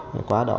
để qua đó